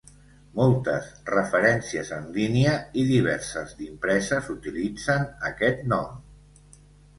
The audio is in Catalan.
Moltes referències en línia i diverses d'impreses utilitzen aquest nom.